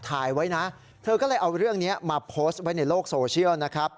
ถ่ายไว้นะเธอก็เลยเอาเรื่องนี้มาโพสต์ไว้ในโลกโซเชียลนะครับ